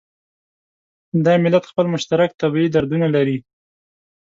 دا ملت خپل مشترک طبعي دردونه لري.